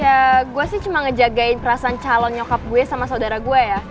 ya gue sih cuma ngejagain perasaan calon nyokap gue sama saudara gue ya